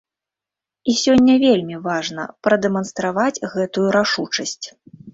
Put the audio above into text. І сёння вельмі важна прадэманстраваць гэтую рашучасць.